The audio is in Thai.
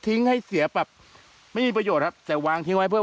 ให้เสียแบบไม่มีประโยชน์ครับแต่วางทิ้งไว้เพื่อ